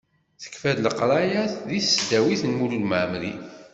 Tekfa-d leqraya-s di tesdawit n Lmulud At Mɛemmer.